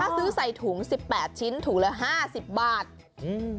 ซื้อใส่ถุงสิบแปดชิ้นถุงละห้าสิบบาทอืม